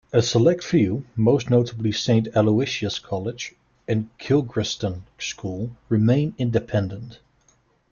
A select few, most notably Saint Aloysius' College and Kilgraston School, remain independent.